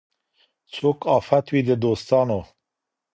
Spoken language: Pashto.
څوک آفت وي د دوستانو